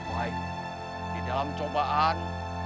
baik di dalam cobaan